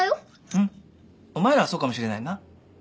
うんお前らはそうかもしれないな。